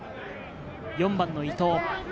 ４番の伊東。